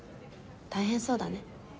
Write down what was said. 大変そうだね。